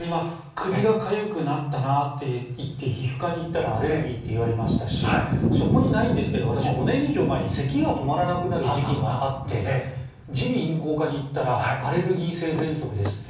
首がかゆくなったなって皮膚科に行ったらアレルギーって言われましたしそこにないんですが私、５年以上前にせきが止まらなくなる時期があって耳鼻咽喉科に行ったらアレルギー性喘息ですと。